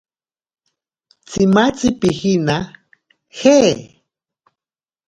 Tsimatzi pijina? ¿je?